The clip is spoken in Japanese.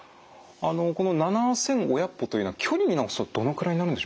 あのこの７，５００歩というのは距離に直すとどのくらいになるんでしょうかね？